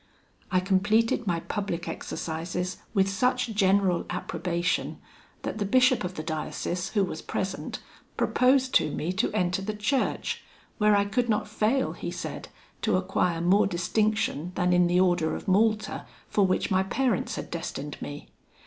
"I completed my public exercises with such general approbation, that the bishop of the diocese, who was present, proposed to me to enter the church, where I could not fail, he said, to acquire more distinction than in the Order of Malta, for which my parents had destined me.